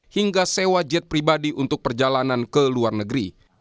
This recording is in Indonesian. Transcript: hingga sewa jet pribadi untuk perjalanan ke luar negeri